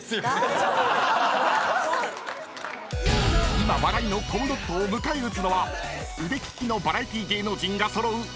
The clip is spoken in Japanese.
［今話題のコムドットを迎え撃つのは腕利きのバラエティー芸能人が揃うネプチューンチーム］